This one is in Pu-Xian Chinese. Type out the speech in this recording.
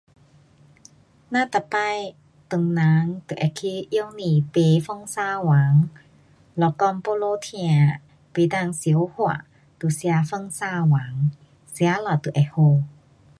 咱每次唐人就会去药店买风沙丸，若讲肚子痛，不能消化，就吃风沙丸，吃了就会好。